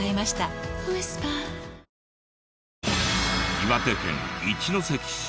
岩手県一関市。